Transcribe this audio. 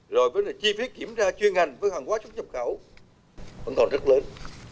rồi với chi phí kiểm tra chuyên ngành với hàng hóa xuất nhập khẩu vẫn còn rất lớn